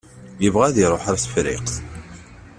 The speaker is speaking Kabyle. Yebɣa ad iṛuḥ ɣer Tefriqt.